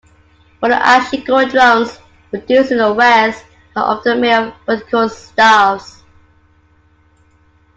Modern ashiko drums produced in the West are often made of vertical staves.